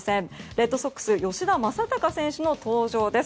レッドソックス吉田正尚選手の登場です。